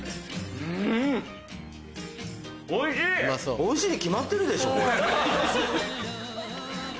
おいしいに決まってるでしょ。